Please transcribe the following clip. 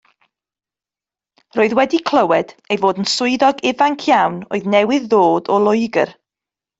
Roedd wedi clywed ei fod yn swyddog ifanc iawn oedd newydd ddod o Loegr.